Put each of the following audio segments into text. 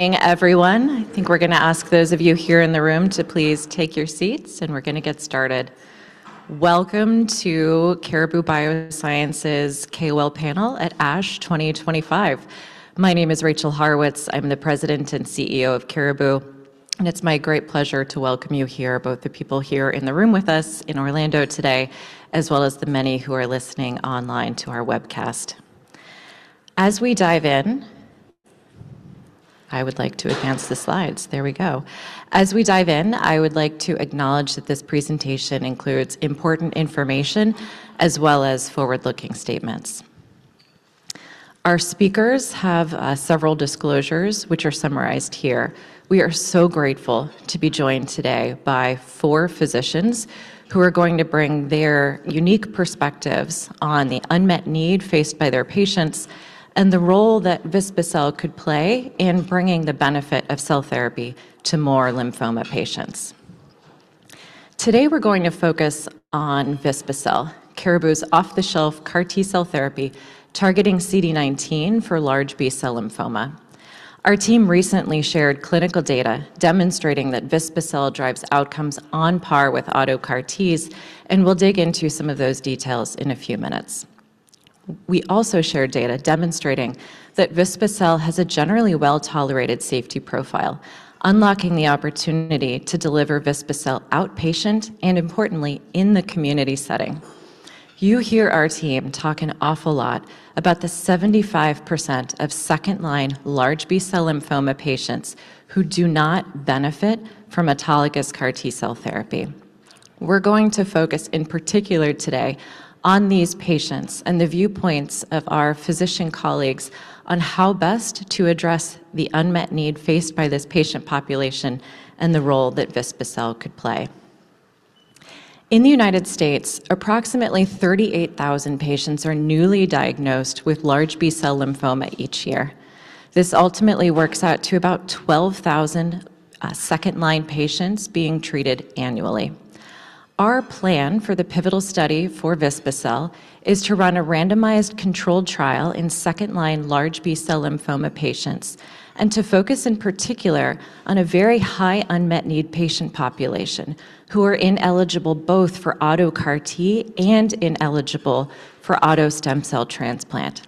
Hey, everyone. I think we're going to ask those of you here in the room to please take your seats, and we're going to get started. Welcome to Caribou Biosciences KOL Panel at ASH 2025. My name is Rachel Haurwitz. I'm the President and CEO of Caribou, and it's my great pleasure to welcome you here, both the people here in the room with us in Orlando today, as well as the many who are listening online to our webcast. As we dive in, I would like to advance the slides. There we go. As we dive in, I would like to acknowledge that this presentation includes important information as well as forward-looking statements. Our speakers have several disclosures, which are summarized here. We are so grateful to be joined today by four physicians who are going to bring their unique perspectives on the unmet need faced by their patients and the role that Vispa-cel could play in bringing the benefit of cell therapy to more lymphoma patients. Today, we're going to focus on Vispa-cel, Caribou's off-the-shelf CAR T-cell therapy targeting CD19 for large B-cell lymphoma. Our team recently shared clinical data demonstrating that Vispa-cel drives outcomes on par with auto CAR Ts, and we'll dig into some of those details in a few minutes. We also shared data demonstrating that Vispa-cel has a generally well-tolerated safety profile, unlocking the opportunity to deliver Vispa-cel outpatient and, importantly, in the community setting. You hear our team talk an awful lot about the 75% of second-line large B-cell lymphoma patients who do not benefit from autologous CAR T-cell therapy. We're going to focus in particular today on these patients and the viewpoints of our physician colleagues on how best to address the unmet need faced by this patient population and the role that Vispa-cel could play. In the United States, approximately 38,000 patients are newly diagnosed with large B-cell lymphoma each year. This ultimately works out to about 12,000 second-line patients being treated annually. Our plan for the pivotal study for Vispa-cel is to run a randomized controlled trial in second-line large B-cell lymphoma patients and to focus in particular on a very high unmet need patient population who are ineligible both for auto CAR T and ineligible for auto stem cell transplant.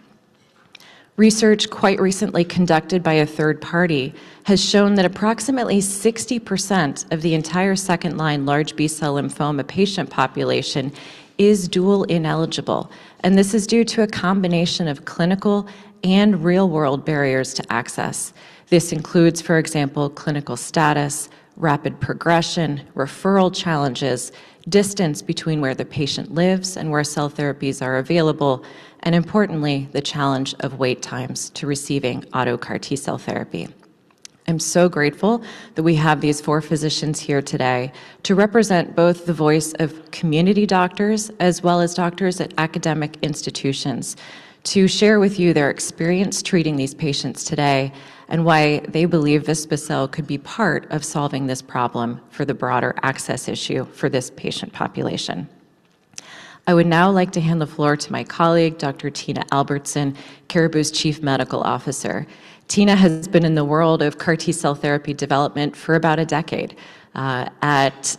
Research quite recently conducted by a third party has shown that approximately 60% of the entire second-line large B-cell lymphoma patient population is dual ineligible, and this is due to a combination of clinical and real-world barriers to access. This includes, for example, clinical status, rapid progression, referral challenges, distance between where the patient lives and where cell therapies are available, and, importantly, the challenge of wait times to receiving auto CAR T-cell therapy. I'm so grateful that we have these four physicians here today to represent both the voice of community doctors as well as doctors at academic institutions to share with you their experience treating these patients today and why they believe Vispa-cel could be part of solving this problem for the broader access issue for this patient population. I would now like to hand the floor to my colleague, Dr. Tina Albertson, Caribou's Chief Medical Officer. Tina has been in the world of CAR T-cell therapy development for about a decade. At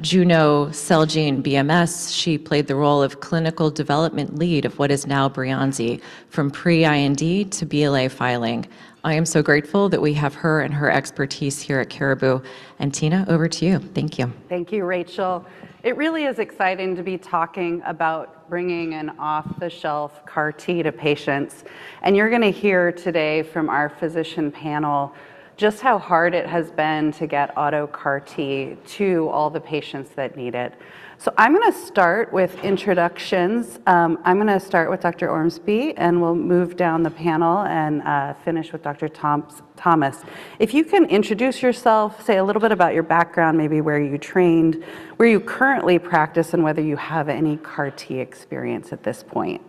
Juno, Celgene, BMS, she played the role of clinical development lead of what is now Breyanzi, from pre-IND to BLA filing. I am so grateful that we have her and her expertise here at Caribou. And, Tina, over to you. Thank you. Thank you, Rachel. It really is exciting to be talking about bringing an off-the-shelf CAR T to patients. And you're going to hear today from our physician panel just how hard it has been to get auto CAR T to all the patients that need it. So I'm going to start with introductions. I'm going to start with Dr. Ormsby, and we'll move down the panel and finish with Dr. Thomas. If you can introduce yourself, say a little bit about your background, maybe where you trained, where you currently practice, and whether you have any CAR T experience at this point.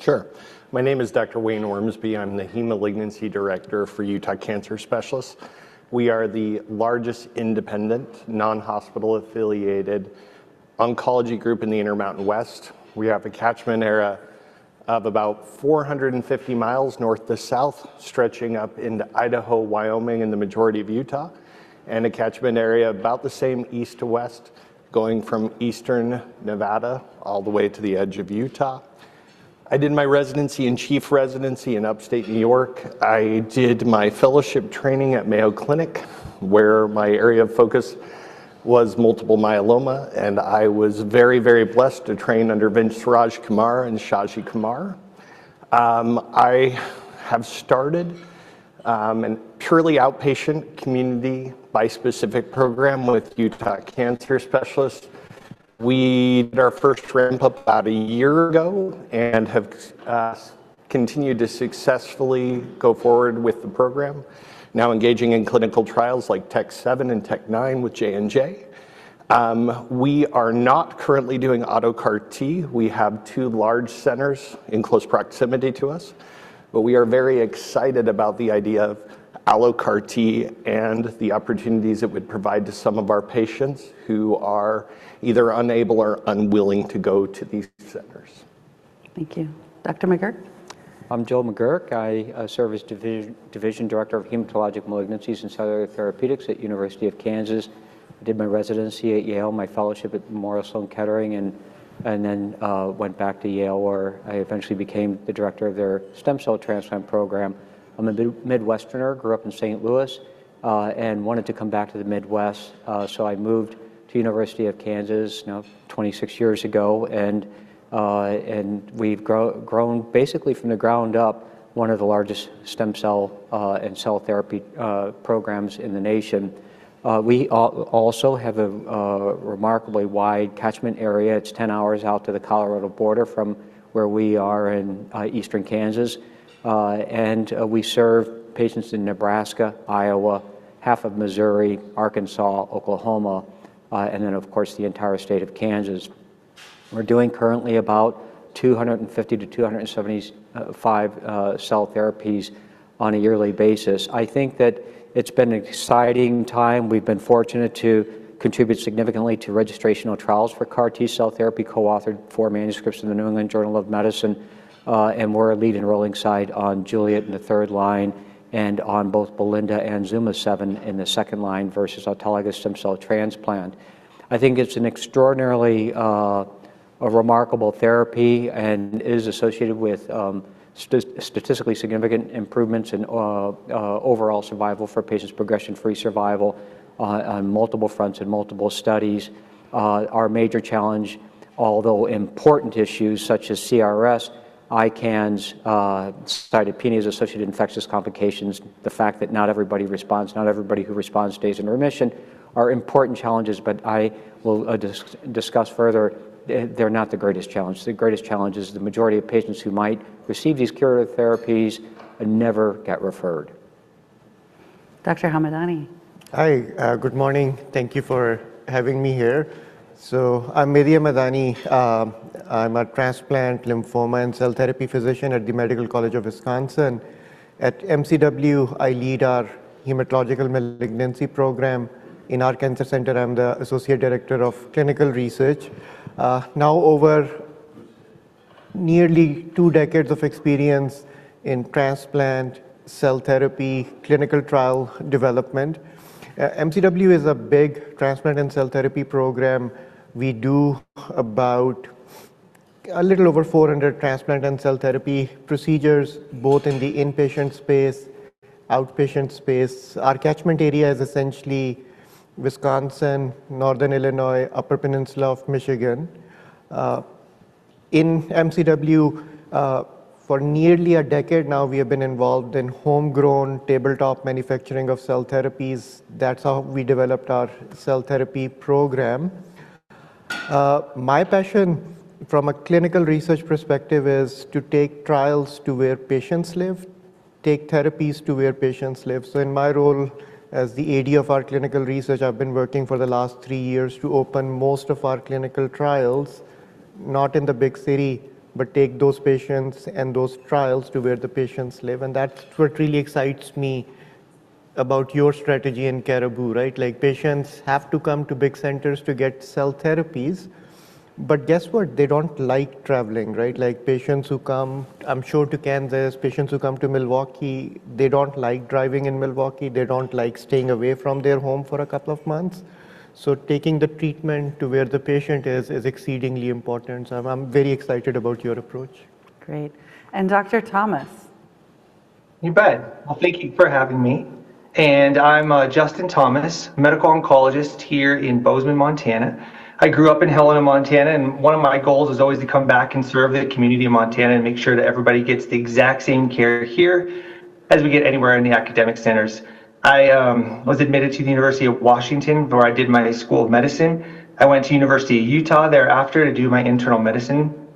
Sure. My name is Dr. Wayne Ormsby. I'm the Heme Malignancy Director for Utah Cancer Specialists. We are the largest independent, non-hospital-affiliated oncology group in the Intermountain West. We have a catchment area of about 450 mi north to south, stretching up into Idaho, Wyoming, and the majority of Utah, and a catchment area about the same east to west, going from eastern Nevada all the way to the edge of Utah. I did my residency and chief residency in upstate New York. I did my fellowship training at Mayo Clinic, where my area of focus was multiple myeloma, and I was very, very blessed to train under S. Vincent Rajkumar and Shaji Kumar. I have started a purely outpatient community bispecific program with Utah Cancer Specialists. We did our first ramp up about a year ago and have continued to successfully go forward with the program, now engaging in clinical trials like TEC-7 and TEC-9 with J&J. We are not currently doing auto CAR T. We have two large centers in close proximity to us, but we are very excited about the idea of allo-CAR T and the opportunities it would provide to some of our patients who are either unable or unwilling to go to these centers. Thank you. Dr. McGuirk? I'm Joe McGuirk. I serve as Division Director of Hematologic Malignancies and Cellular Therapeutics at the University of Kansas. I did my residency at Yale, my fellowship at Memorial Sloan Kettering, and then went back to Yale, where I eventually became the Director of their stem cell transplant program. I'm a Midwesterner, grew up in St. Louis, and wanted to come back to the Midwest, so I moved to University of Kansas 26 years ago, and we've grown, basically from the ground up, one of the largest stem cell and cell therapy programs in the nation. We also have a remarkably wide catchment area. It's 10 hours out to the Colorado border from where we are in eastern Kansas, and we serve patients in Nebraska, Iowa, half of Missouri, Arkansas, Oklahoma, and then, of course, the entire state of Kansas. We're doing currently about 250-275 cell therapies on a yearly basis. I think that it's been an exciting time. We've been fortunate to contribute significantly to registrational trials for CAR T-cell therapy, co-authored four manuscripts in the New England Journal of Medicine, and we're a lead enrolling site on JULIET in the third line and on both BELINDA and ZUMA-7 in the second line versus autologous stem cell transplant. I think it's an extraordinarily remarkable therapy and is associated with statistically significant improvements in overall survival for patients, progression-free survival on multiple fronts in multiple studies. Our major challenge, although important issues such as CRS, ICANS, cytopenias-associated infectious complications, the fact that not everybody responds, not everybody who responds stays in remission, are important challenges, but I will discuss further. They're not the greatest challenge. The greatest challenge is the majority of patients who might receive these curative therapies never get referred. Dr. Hamadani. Hi. Good morning. Thank you for having me here. So I'm Mehdi Hamadani. I'm a transplant lymphoma and cell therapy physician at the Medical College of Wisconsin. At MCW, I lead our hematological malignancy program. In our cancer center, I'm the Associate Director of Clinical Research. Now, over nearly two decades of experience in transplant, cell therapy, clinical trial development. MCW is a big transplant and cell therapy program. We do about a little over 400 transplant and cell therapy procedures, both in the inpatient space, outpatient space. Our catchment area is essentially Wisconsin, northern Illinois, upper peninsula of Michigan. In MCW, for nearly a decade now, we have been involved in homegrown tabletop manufacturing of cell therapies. That's how we developed our cell therapy program. My passion, from a clinical research perspective, is to take trials to where patients live, take therapies to where patients live. So in my role as the AD of our clinical research, I've been working for the last three years to open most of our clinical trials, not in the big city, but take those patients and those trials to where the patients live. And that's what really excites me about your strategy in Caribou, right? Like, patients have to come to big centers to get cell therapies, but guess what? They don't like traveling, right? Like, patients who come, I'm sure, to Kansas, patients who come to Milwaukee, they don't like driving in Milwaukee. They don't like staying away from their home for a couple of months. So taking the treatment to where the patient is is exceedingly important. So I'm very excited about your approach. Great. And Dr. Thomas. You bet. Thank you for having me. I'm Justin Thomas, medical oncologist here in Bozeman, Montana. I grew up in Helena, Montana, and one of my goals was always to come back and serve the community of Montana and make sure that everybody gets the exact same care here as we get anywhere in the academic centers. I was admitted to the University of Washington, where I did my school of medicine. I went to University of Utah thereafter to do my internal medicine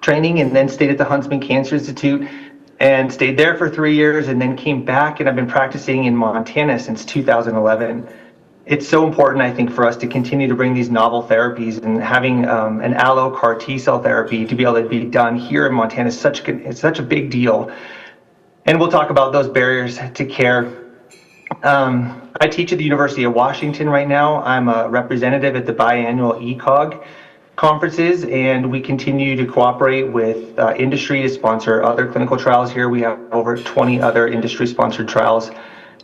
training and then stayed at the Huntsman Cancer Institute and stayed there for three years and then came back, and I've been practicing in Montana since 2011. It's so important, I think, for us to continue to bring these novel therapies and having an allo-CAR T-cell therapy to be able to be done here in Montana is such a big deal. We'll talk about those barriers to care. I teach at the University of Washington right now. I'm a representative at the biannual ECOG conferences, and we continue to cooperate with industry to sponsor other clinical trials here. We have over 20 other industry-sponsored trials.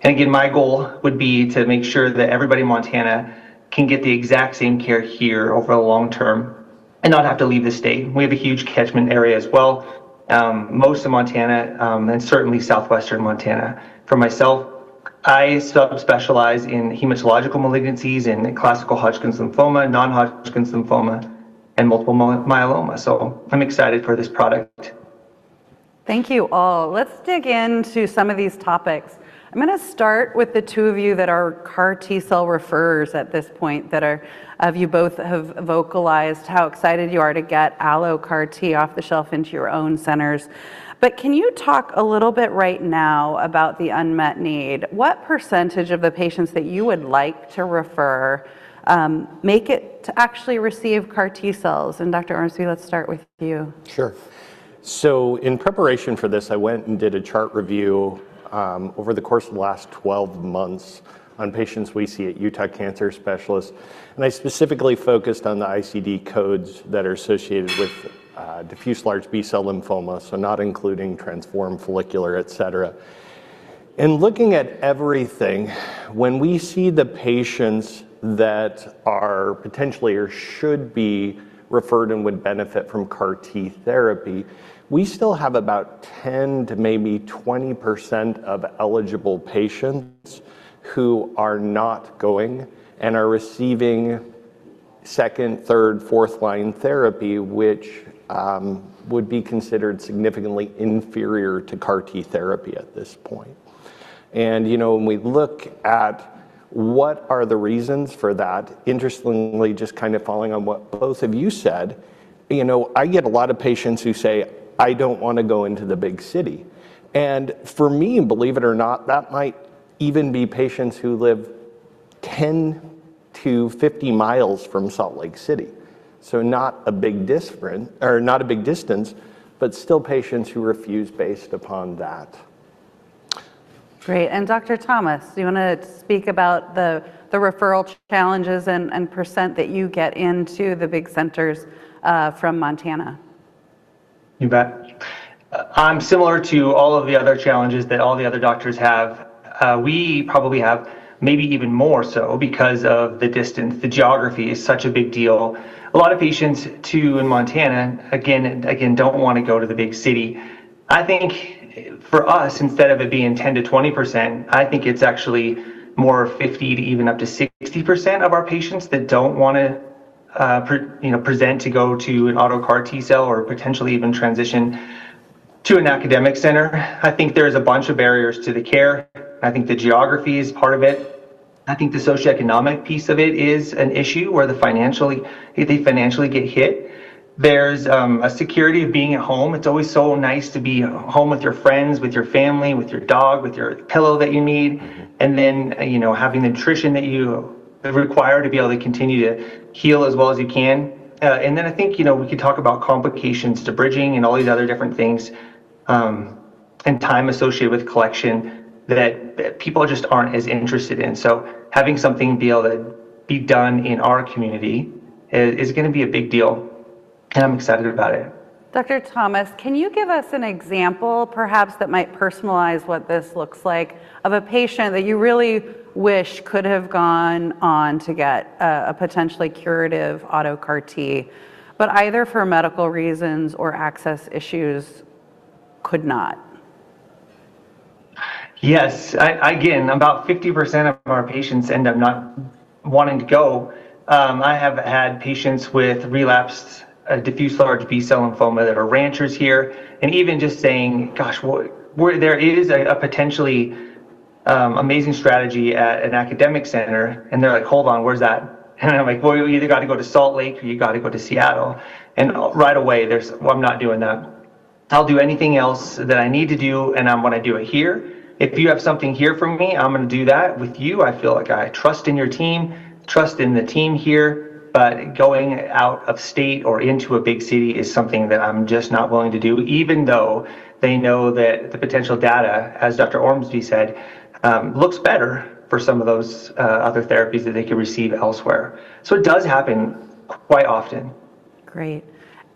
Again, my goal would be to make sure that everybody in Montana can get the exact same care here over the long term and not have to leave the state. We have a huge catchment area as well, most of Montana and certainly southwestern Montana. For myself, I subspecialize in hematological malignancies and classical Hodgkin's lymphoma, non-Hodgkin's lymphoma, and multiple myeloma. I'm excited for this product. Thank you all. Let's dig into some of these topics. I'm going to start with the two of you that are CAR T-cell referrers at this point that you both have vocalized how excited you are to get allo-CAR T off the shelf into your own centers. But can you talk a little bit right now about the unmet need? What percentage of the patients that you would like to refer make it to actually receive CAR T-cells? And, Dr. Ormsby, let's start with you. Sure. So in preparation for this, I went and did a chart review over the course of the last 12 months on patients we see at Utah Cancer Specialists. And I specifically focused on the ICD codes that are associated with diffuse large B-cell lymphoma, so not including transformed follicular, et cetera. And looking at everything, when we see the patients that are potentially or should be referred and would benefit from CAR T therapy, we still have about 10% to maybe 20% of eligible patients who are not going and are receiving second, third, fourth-line therapy, which would be considered significantly inferior to CAR T therapy at this point. And when we look at what are the reasons for that, interestingly, just kind of following on what both of you said, I get a lot of patients who say, I don't want to go into the big city. And for me, believe it or not, that might even be patients who live 10-50 mi from Salt Lake City. So not a big difference or not a big distance, but still patients who refuse based upon that. Great, and Dr. Thomas, do you want to speak about the referral challenges and percent that you get into the big centers from Montana? You bet. I'm similar to all of the other challenges that all the other doctors have. We probably have maybe even more so because of the distance. The geography is such a big deal. A lot of patients, too, in Montana, again, don't want to go to the big city. I think for us, instead of it being 10%-20%, I think it's actually more 50%-60% of our patients that don't want to present to go to an allo-CAR T-cell or potentially even transition to an academic center. I think there is a bunch of barriers to the care. I think the geography is part of it. I think the socioeconomic piece of it is an issue where they financially get hit. There's a security of being at home. It's always so nice to be home with your friends, with your family, with your dog, with your pillow that you need, and then having the nutrition that you require to be able to continue to heal as well as you can, and then I think we could talk about complications to bridging and all these other different things and time associated with collection that people just aren't as interested in, so having something be able to be done in our community is going to be a big deal, and I'm excited about it. Dr. Thomas, can you give us an example, perhaps, that might personalize what this looks like of a patient that you really wish could have gone on to get a potentially curative allo-CAR T, but either for medical reasons or access issues could not? Yes. Again, about 50% of our patients end up not wanting to go. I have had patients with relapsed diffuse large B-cell lymphoma that are ranchers here. And even just saying, Gosh, there is a potentially amazing strategy at an academic center, and they're like, Hold on, where's that? And I'm like, Well, you either got to go to Salt Lake or you got to go to Seattle. And right away, I'm not doing that. I'll do anything else that I need to do, and I'm going to do it here. If you have something here for me, I'm going to do that with you. I feel like I trust in your team, trust in the team here, but going out of state or into a big city is something that I'm just not willing to do, even though they know that the potential data, as Dr. Ormsby said, looks better for some of those other therapies that they could receive elsewhere. So it does happen quite often. Great.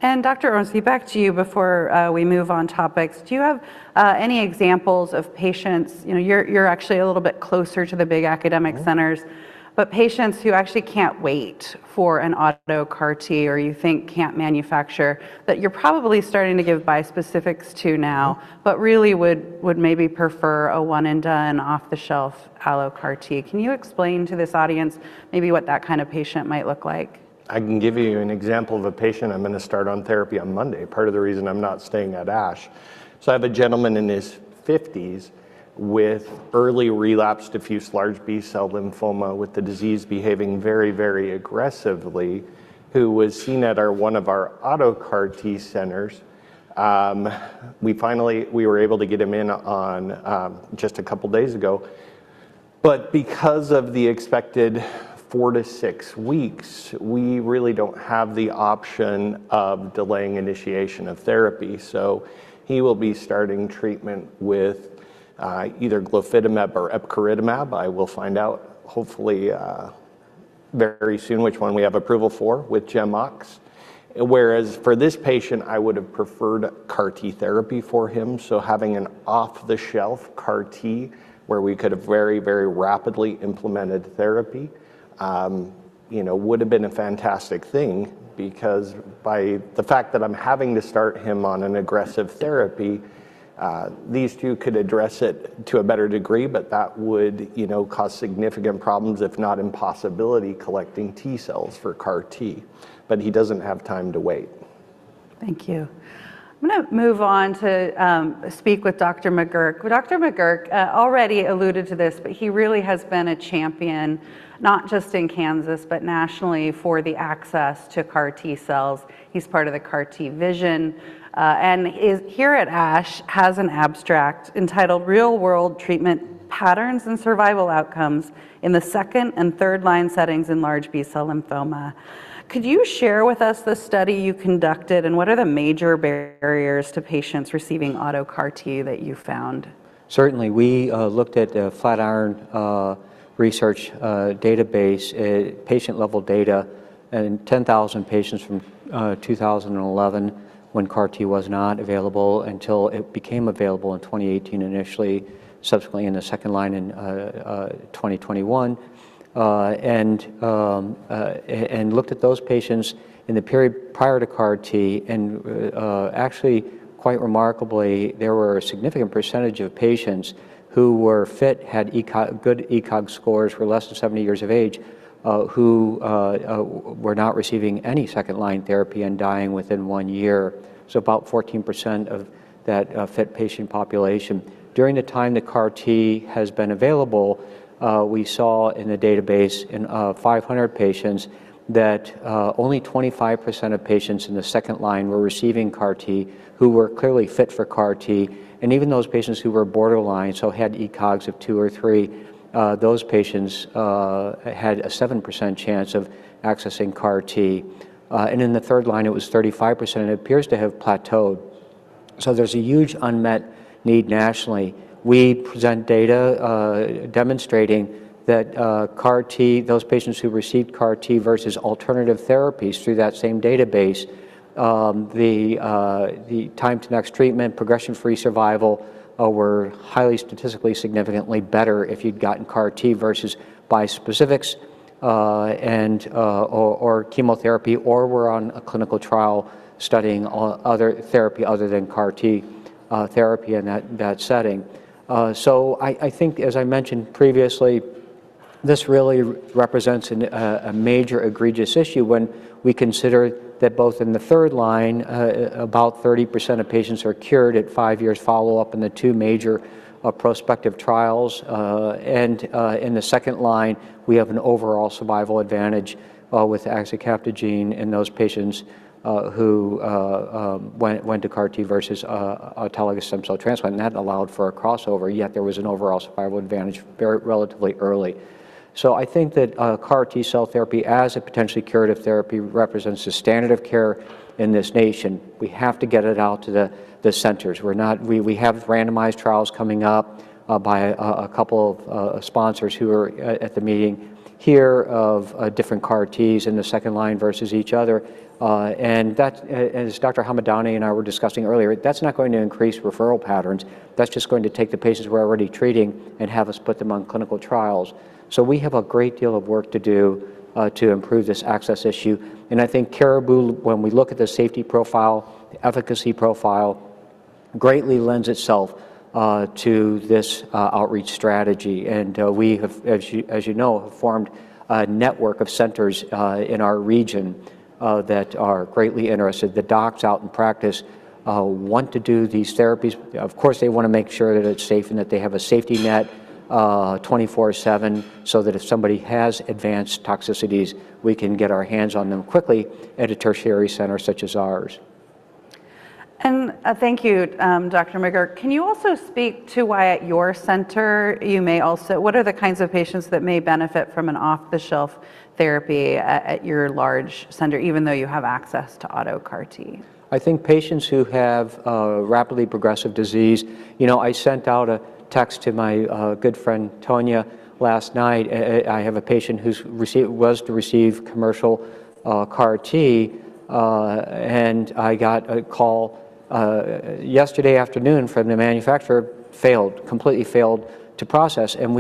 And, Dr. Ormsby, back to you before we move on topics. Do you have any examples of patients? You're actually a little bit closer to the big academic centers, but patients who actually can't wait for an allo-CAR T or you think can't manufacture that you're probably starting to give bispecifics to now, but really would maybe prefer a one-and-done off-the-shelf allo-CAR T. Can you explain to this audience maybe what that kind of patient might look like? I can give you an example of a patient I'm going to start on therapy on Monday. Part of the reason I'm not staying at ASH, so I have a gentleman in his 50s with early relapsed diffuse large B-cell lymphoma with the disease behaving very, very aggressively who was seen at one of our allo-CAR T centers. We were able to get him in on just a couple of days ago. But because of the expected four-to-six weeks, we really don't have the option of delaying initiation of therapy. So he will be starting treatment with either glofitamab or epcoritamab. I will find out, hopefully, very soon which one we have approval for with GemOx. Whereas for this patient, I would have preferred CAR T therapy for him. So, having an off-the-shelf CAR T where we could have very, very rapidly implemented therapy would have been a fantastic thing, because by the fact that I'm having to start him on an aggressive therapy, these two could address it to a better degree, but that would cause significant problems, if not impossibility, collecting T-cells for CAR T, but he doesn't have time to wait. Thank you. I'm going to move on to speak with Dr. McGuirk. Dr. McGuirk already alluded to this, but he really has been a champion, not just in Kansas, but nationally for the access to CAR T-cells. He's part of the CAR T vision and here at ASH has an abstract entitled Real-World Treatment Patterns and Survival Outcomes in the Second- and Third-Line Settings in Large B-Cell Lymphoma. Could you share with us the study you conducted and what are the major barriers to patients receiving allo-CAR T that you found? Certainly. We looked at a Flatiron research database, patient-level data in 10,000 patients from 2011 when CAR T was not available until it became available in 2018 initially, subsequently in the second line in 2021, and looked at those patients in the period prior to CAR T, and actually, quite remarkably, there were a significant percentage of patients who were fit, had good ECOG scores, were less than 70 years of age, who were not receiving any second-line therapy and dying within one year, so about 14% of that fit patient population. During the time that CAR T has been available, we saw in the database in 500 patients that only 25% of patients in the second line were receiving CAR T who were clearly fit for CAR T. Even those patients who were borderline, so had ECOGs of two or three, those patients had a 7% chance of accessing CAR T. In the third line, it was 35%. It appears to have plateaued. There's a huge unmet need nationally. We present data demonstrating that CAR T, those patients who received CAR T versus alternative therapies through that same database, the time-to-next treatment, progression-free survival were highly statistically significantly better if you'd gotten CAR T versus bispecifics or chemotherapy or were on a clinical trial studying other therapy other than CAR T therapy in that setting. I think, as I mentioned previously, this really represents a major egregious issue when we consider that both in the third line, about 30% of patients are cured at five years follow-up in the two major prospective trials. In the second line, we have an overall survival advantage with axicabtagene in those patients who went to CAR T versus autologous stem cell transplant. That allowed for a crossover, yet there was an overall survival advantage relatively early. I think that CAR T-cell therapy as a potentially curative therapy represents the standard of care in this nation. We have to get it out to the centers. We have randomized trials coming up by a couple of sponsors who are at the meeting here of different CAR Ts in the second line versus each other. As Dr. Hamadani and I were discussing earlier, that's not going to increase referral patterns. That's just going to take the patients we're already treating and have us put them on clinical trials. We have a great deal of work to do to improve this access issue. I think Caribou, when we look at the safety profile, the efficacy profile, greatly lends itself to this outreach strategy. We, as you know, have formed a network of centers in our region that are greatly interested. The docs out in practice want to do these therapies. Of course, they want to make sure that it's safe and that they have a safety net 24/7 so that if somebody has advanced toxicities, we can get our hands on them quickly at a tertiary center such as ours. Thank you, Dr. McGuirk. Can you also speak to why at your center you may also, what are the kinds of patients that may benefit from an off-the-shelf therapy at your large center, even though you have access to allo-CAR T? I think patients who have rapidly progressive disease. I sent out a text to my good friend Tanya last night. I have a patient who was to receive commercial CAR T. And I got a call yesterday afternoon from the manufacturer. Failed, completely failed to process. And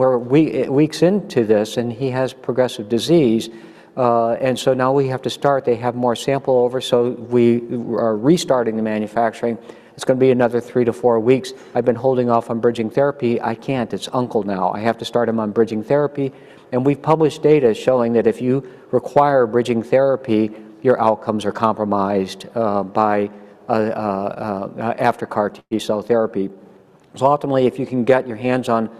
we're weeks into this, and he has progressive disease. And so now we have to start. They have more sample over, so we are restarting the manufacturing. It's going to be another three to four weeks. I've been holding off on bridging therapy. I can't. Say uncle now. I have to start him on bridging therapy. And we've published data showing that if you require bridging therapy, your outcomes are compromised thereafter after CAR T-cell therapy. So ultimately, if you can get your hands on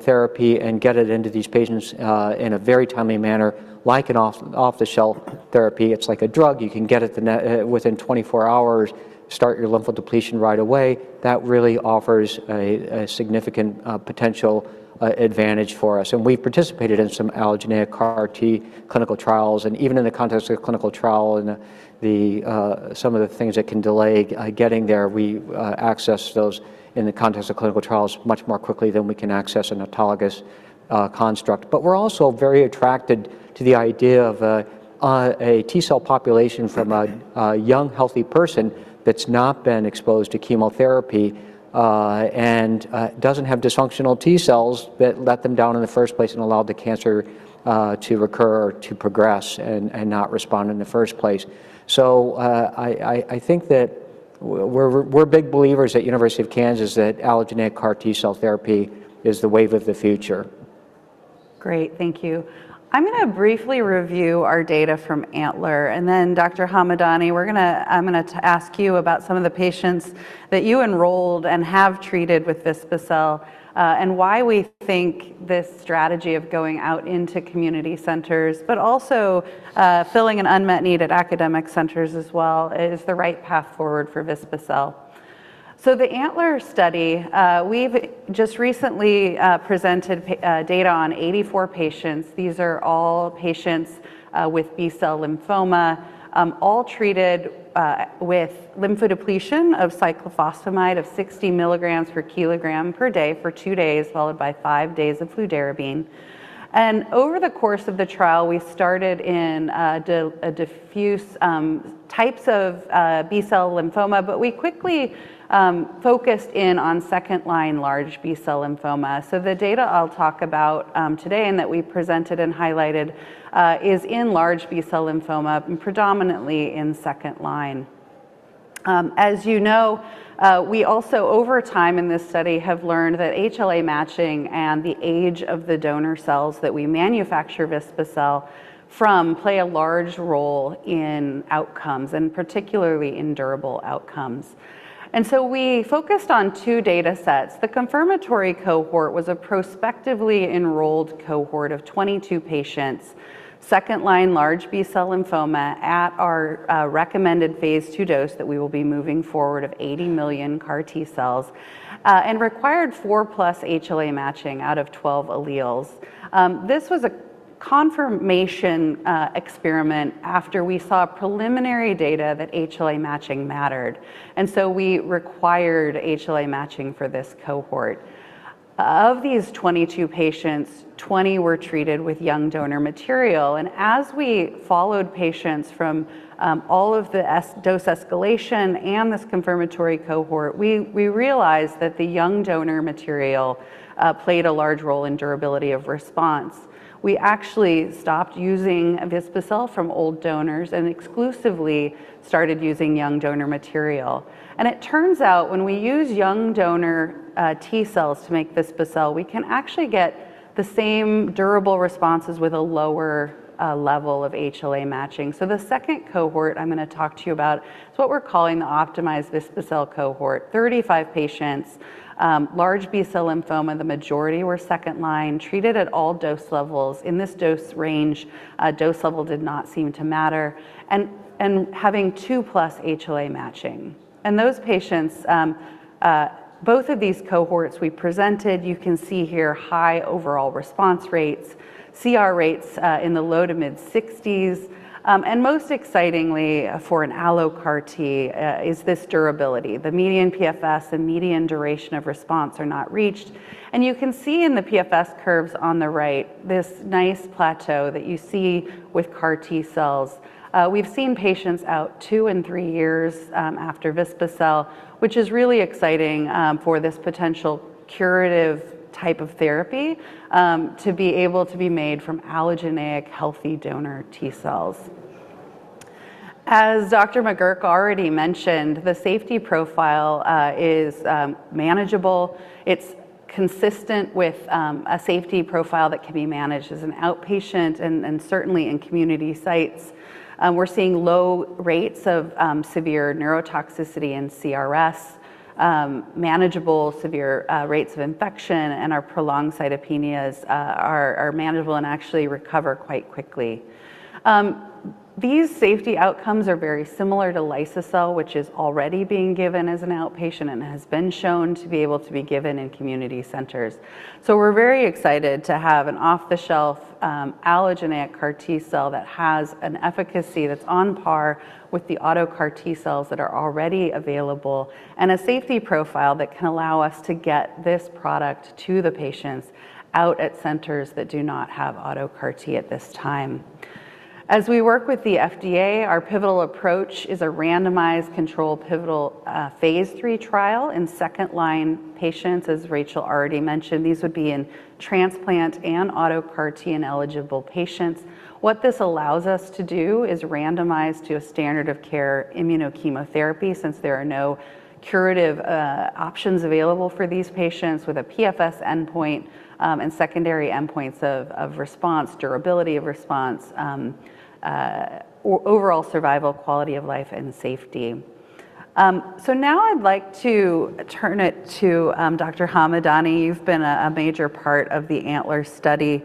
therapy and get it into these patients in a very timely manner, like an off-the-shelf therapy, it's like a drug. You can get it within 24 hours, start your lymphodepletion right away. That really offers a significant potential advantage for us. And we've participated in some allogeneic CAR T clinical trials. And even in the context of clinical trial and some of the things that can delay getting there, we access those in the context of clinical trials much more quickly than we can access an autologous construct. But we're also very attracted to the idea of a T-cell population from a young, healthy person that's not been exposed to chemotherapy and doesn't have dysfunctional T-cells that let them down in the first place and allowed the cancer to recur or to progress and not respond in the first place. So I think that we're big believers at the University of Kansas that allogeneic CAR T-cell therapy is the wave of the future. Great. Thank you. I'm going to briefly review our data from ANTLER. And then, Dr. Hamadani, I'm going to ask you about some of the patients that you enrolled and have treated with Vispa-cel and why we think this strategy of going out into community centers, but also filling an unmet need at academic centers as well, is the right path forward for Vispa-cel, so the ANTLER study, we've just recently presented data on 84 patients. These are all patients with B-cell lymphoma, all treated with lymphodepletion of cyclophosphamide of 60 mg/kg/day for two days, followed by five days of fludarabine, and over the course of the trial, we started in diffuse types of B-cell lymphoma, but we quickly focused in on second-line large B-cell lymphoma. The data I'll talk about today and that we presented and highlighted is in large B-cell lymphoma, predominantly in second-line. As you know, we also, over time in this study, have learned that HLA matching and the age of the donor cells that we manufacture Vispa-cel from play a large role in outcomes, and particularly in durable outcomes. We focused on two data sets. The confirmatory cohort was a prospectively enrolled cohort of 22 patients, second-line large B-cell lymphoma at our recommended phase two dose that we will be moving forward of 80 million CAR T-cells, and required four-plus HLA matching out of 12 alleles. This was a confirmation experiment after we saw preliminary data that HLA matching mattered. We required HLA matching for this cohort. Of these 22 patients, 20 were treated with young donor material. As we followed patients from all of the dose escalation and this confirmatory cohort, we realized that the young donor material played a large role in durability of response. We actually stopped using Vispa-cel from old donors and exclusively started using young donor material. It turns out when we use young donor T-cells to make Vispa-cel, we can actually get the same durable responses with a lower level of HLA matching. The second cohort I'm going to talk to you about is what we're calling the optimized Vispa-cel cohort. 35 patients, large B-cell lymphoma, the majority were second line, treated at all dose levels. In this dose range, dose level did not seem to matter, and having two-plus HLA matching. Those patients, both of these cohorts we presented, you can see here high overall response rates, CR rates in the low to mid-60s. And most excitingly for an allo-CAR T is this durability. The median PFS and median duration of response are not reached. And you can see in the PFS curves on the right this nice plateau that you see with CAR T-cells. We've seen patients out two and three years after Vispa-cel, which is really exciting for this potential curative type of therapy to be able to be made from allogeneic healthy donor T-cells. As Dr. McGuirk already mentioned, the safety profile is manageable. It's consistent with a safety profile that can be managed as an outpatient and certainly in community sites. We're seeing low rates of severe neurotoxicity and CRS, manageable severe rates of infection, and our prolonged cytopenias are manageable and actually recover quite quickly. These safety outcomes are very similar to Liso-cel, which is already being given as an outpatient and has been shown to be able to be given in community centers. So we're very excited to have an off-the-shelf allogeneic CAR T-cell that has an efficacy that's on par with the auto-CAR T-cells that are already available and a safety profile that can allow us to get this product to the patients out at centers that do not have auto-CAR T at this time. As we work with the FDA, our pivotal approach is a randomized control pivotal phase III trial in second-line patients, as Rachel already mentioned. These would be in transplant and auto-CAR T ineligible patients. What this allows us to do is randomize to a standard of care immunochemotherapy since there are no curative options available for these patients with a PFS endpoint and secondary endpoints of response, durability of response, overall survival, quality of life, and safety, so now I'd like to turn it to Dr. Hamadani. You've been a major part of the ANTLER study.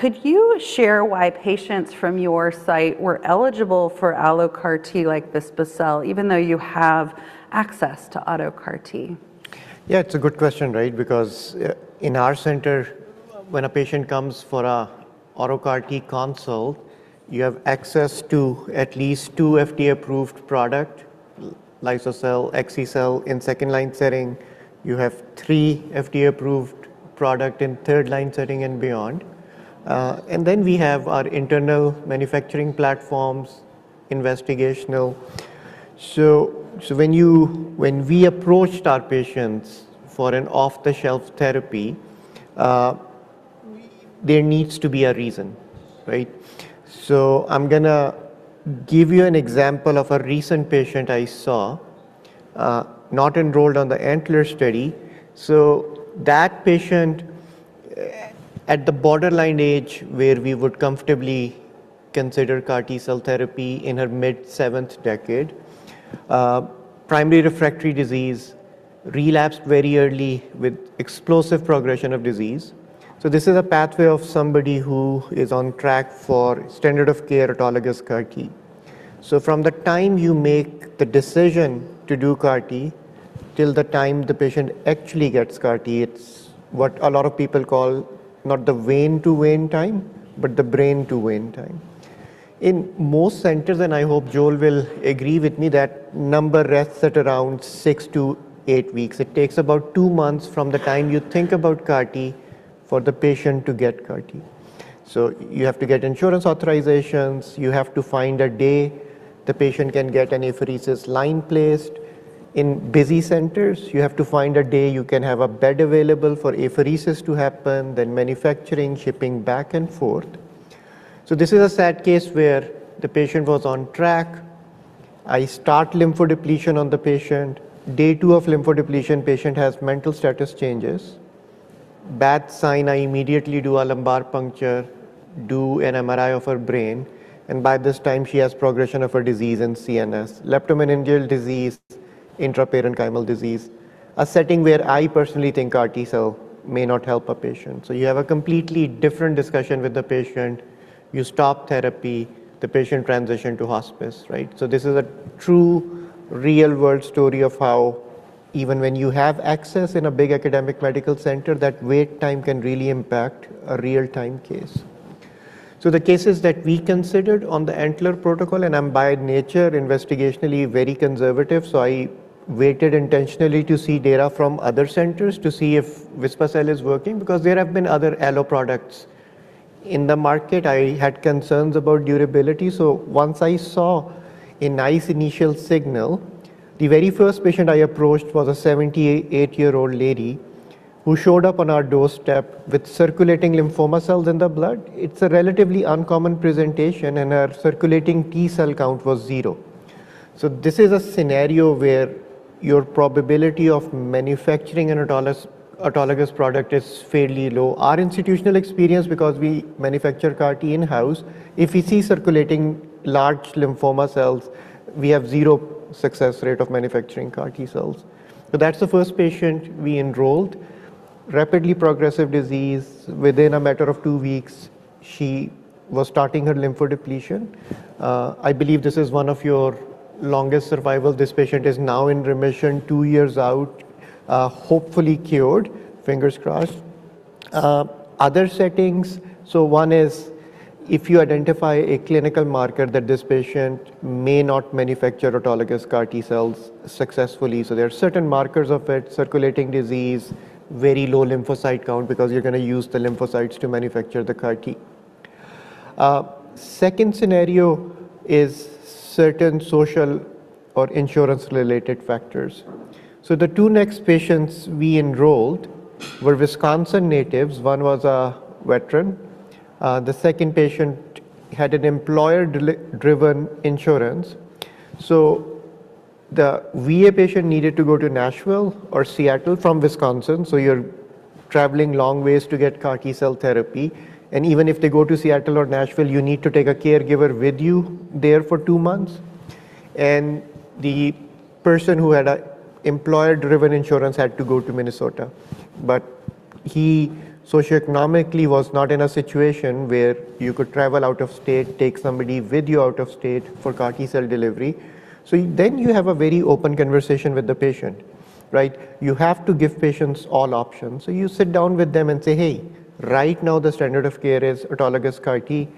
Could you share why patients from your site were eligible for allo-CAR T like Vispa-cel, even though you have access to auto-CAR T? Yeah, it's a good question, right? Because in our center, when a patient comes for an auto-CAR T consult, you have access to at least two FDA-approved products, Liso-cel, Axi-cel in second-line setting. You have three FDA-approved products in third-line setting and beyond. And then we have our internal manufacturing platforms, investigational. So when we approached our patients for an off-the-shelf therapy, there needs to be a reason, right? So I'm going to give you an example of a recent patient I saw, not enrolled on the ANTLER study. So that patient at the borderline age where we would comfortably consider CAR T-cell therapy in her mid-seventh decade, primary refractory disease, relapsed very early with explosive progression of disease. So this is a pathway of somebody who is on track for standard of care autologous CAR T. From the time you make the decision to do CAR T till the time the patient actually gets CAR T, it's what a lot of people call not the vein-to-vein time, but the brain-to-vein time. In most centers, and I hope Joe will agree with me, that number rests at around six to eight weeks. It takes about two months from the time you think about CAR T for the patient to get CAR T. So you have to get insurance authorizations. You have to find a day the patient can get an apheresis line placed. In busy centers, you have to find a day you can have a bed available for apheresis to happen, then manufacturing, shipping back and forth. So this is a sad case where the patient was on track. I start lymphodepletion on the patient. Day two of lymphodepletion, patient has mental status changes. Bad sign. I immediately do a lumbar puncture, do an MRI of her brain, and by this time, she has progression of her disease in CNS, leptomeningeal disease, intraperitoneal disease, a setting where I personally think CAR T-cell may not help a patient, so you have a completely different discussion with the patient. You stop therapy. The patient transitions to hospice, right, so this is a true real-world story of how even when you have access in a big academic medical center, that wait time can really impact a real-time case, so the cases that we considered on the ANTLER protocol, and I'm by nature investigationally very conservative, so I waited intentionally to see data from other centers to see if Vispa-cel is working because there have been other alloproducts in the market. I had concerns about durability. Once I saw a nice initial signal, the very first patient I approached was a 78-year-old lady who showed up on our doorstep with circulating lymphoma cells in the blood. It's a relatively uncommon presentation, and her circulating T-cell count was zero. This is a scenario where your probability of manufacturing an autologous product is fairly low. Our institutional experience, because we manufacture CAR T in-house, if we see circulating large lymphoma cells, we have zero success rate of manufacturing CAR T-cells. That's the first patient we enrolled. Rapidly progressive disease. Within a matter of two weeks, she was starting her lymphodepletion. I believe this is one of your longest survival. This patient is now in remission, two years out, hopefully cured. Fingers crossed. Other settings. One is if you identify a clinical marker that this patient may not manufacture autologous CAR T-cells successfully. There are certain markers of circulating disease, very low lymphocyte count because you're going to use the lymphocytes to manufacture the CAR T. Second scenario is certain social or insurance-related factors. The two next patients we enrolled were Wisconsin natives. One was a veteran. The second patient had an employer-driven insurance. The VA patient needed to go to Nashville or Seattle from Wisconsin. You're traveling long ways to get CAR T-cell therapy. Even if they go to Seattle or Nashville, you need to take a caregiver with you there for two months. The person who had employer-driven insurance had to go to Minnesota. But he socioeconomically was not in a situation where you could travel out of state, take somebody with you out of state for CAR T-cell delivery. So then you have a very open conversation with the patient, right? You have to give patients all options. So you sit down with them and say, Hey, right now the standard of care is autologous CAR T.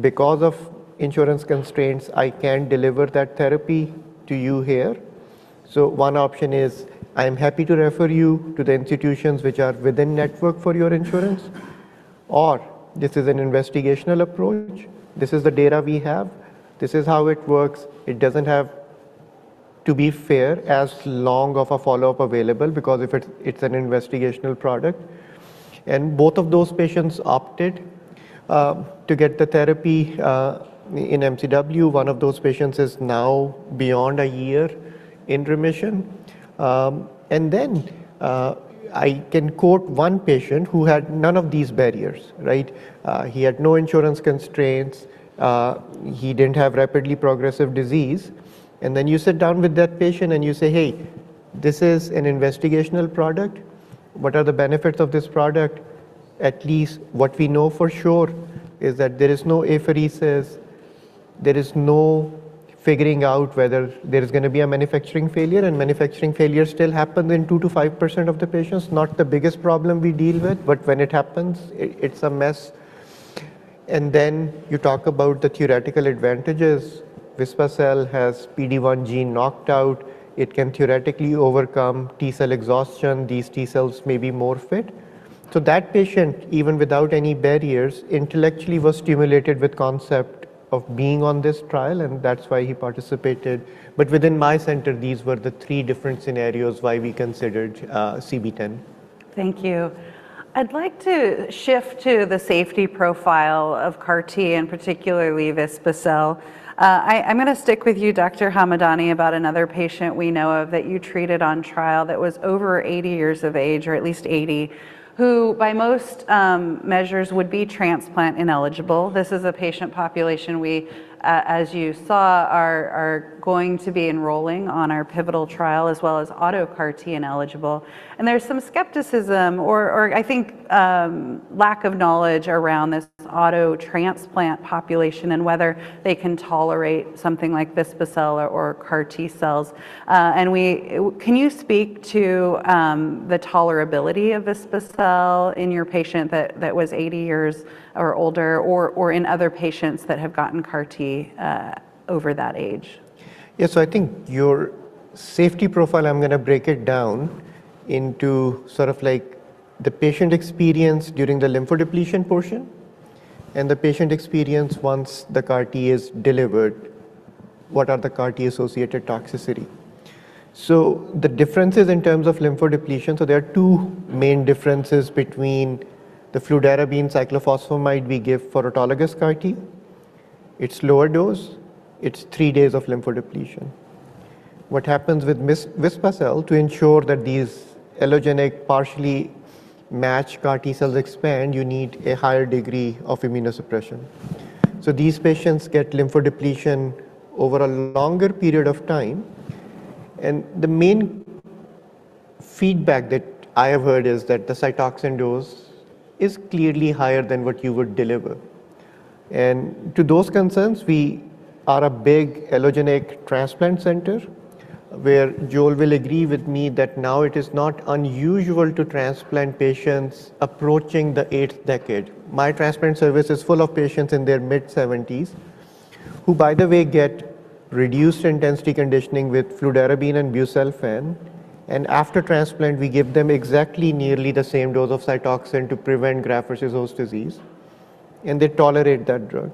Because of insurance constraints, I can't deliver that therapy to you here. So one option is, I'm happy to refer you to the institutions which are within network for your insurance. Or this is an investigational approach. This is the data we have. This is how it works. It doesn't have, to be fair, as long of a follow-up available because it's an investigational product. And both of those patients opted to get the therapy in MCW. One of those patients is now beyond a year in remission. Then I can quote one patient who had none of these barriers, right? He had no insurance constraints. He didn't have rapidly progressive disease. Then you sit down with that patient and you say, Hey, this is an investigational product. What are the benefits of this product? At least what we know for sure is that there is no apheresis. There is no figuring out whether there's going to be a manufacturing failure. Manufacturing failure still happens in 2%-5% of the patients. Not the biggest problem we deal with, but when it happens, it's a mess. Then you talk about the theoretical advantages. Vispa-cel has PD-1 gene knocked out. It can theoretically overcome T-cell exhaustion. These T-cells may be more fit. That patient, even without any barriers, intellectually was stimulated with the concept of being on this trial, and that's why he participated. But within my center, these were the three different scenarios why we considered CB-010. Thank you. I'd like to shift to the safety profile of CAR T, and particularly Vispa-cel. I'm going to stick with you, Dr. Hamadani, about another patient we know of that you treated on trial that was over 80 years of age, or at least 80, who by most measures would be transplant ineligible. This is a patient population we, as you saw, are going to be enrolling on our pivotal trial as well as auto-CAR T ineligible, and there's some skepticism, or I think lack of knowledge around this auto transplant population and whether they can tolerate something like Vispa-cel or CAR T-cells, and can you speak to the tolerability of Vispa-cel in your patient that was 80 years or older, or in other patients that have gotten CAR T over that age? Yeah, so I think your safety profile, I'm going to break it down into sort of like the patient experience during the lymphodepletion portion and the patient experience once the CAR T is delivered, what are the CAR T associated toxicity. So the differences in terms of lymphodepletion, so there are two main differences between the fludarabine cyclophosphamide we give for autologous CAR T. It's lower dose. It's three days of lymphodepletion. What happens with Vispa-cel, to ensure that these allogeneic partially match CAR T-cells expand, you need a higher degree of immunosuppression. So these patients get lymphodepletion over a longer period of time. And the main feedback that I have heard is that the Cytoxan dose is clearly higher than what you would deliver. And to those concerns, we are a big allogeneic transplant center where Joe will agree with me that now it is not unusual to transplant patients approaching the eighth decade. My transplant service is full of patients in their mid-70s who, by the way, get reduced intensity conditioning with fludarabine and busulfan. And after transplant, we give them exactly nearly the same dose of Cytoxan to prevent graft-versus-host disease. And they tolerate that drug.